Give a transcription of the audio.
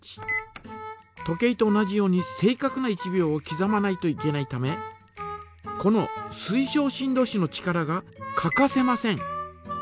時計と同じように正かくな１秒をきざまないといけないためこの水晶振動子の力が欠かせません。